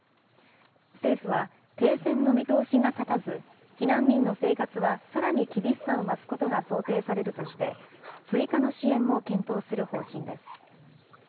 政府は、停戦の見通しが立たず、避難民の生活はさらに厳しさを増すことが想定されるとして、追加の支援も検討する方針です。